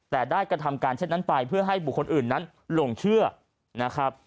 แต่ได้กระทำการเช่นนั้นไปเพื่อให้บุคคลอื่นนั้นหลงเชื่อนะครับ